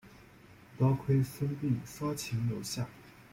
多亏孙膑说情留下。